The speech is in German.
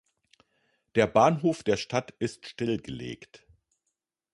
Der Bahnhof der Stadt ist stillgelegt.